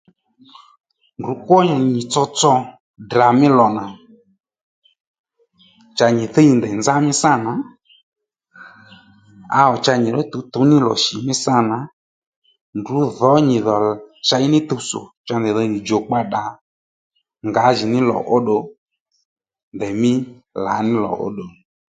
Ndrǔ kwó nì nyì tsotso Ddrà mi lò nà cha nyì thíy nì ndèy nza mí sâ nà áw cha nyì ró tǔwtǔw ní lò shì mí sâ nà ndrǔ dhǒ nyì dhò chěy ní tuw tsò cha ndèy dho nyì djùkpa ddà ngǎjìní lò óddù ndèymí lǎní lò óddù